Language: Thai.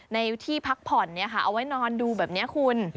ในที่พักผ่อนเอาไว้นอนดูแบบนี้คุณ